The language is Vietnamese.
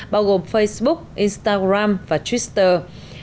bao gồm facebook instagram và twitter